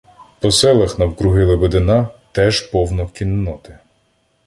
По селах навкруги Лебедина — теж повно кінноти.